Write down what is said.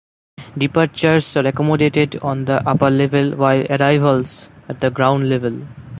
Departures are accommodated on the upper level, while arrivals at the ground level.